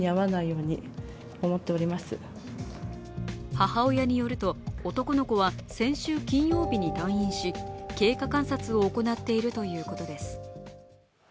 母親によると男の子は先週金曜日に退院し、経過観察を行っているということです。